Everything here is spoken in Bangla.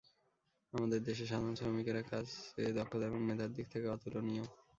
আমাদের দেশের সাধারণ শ্রমিকেরা কাজে দক্ষতা এবং মেধার দিক থেকে অতুলনীয়।